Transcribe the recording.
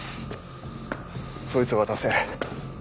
そいつを渡せ。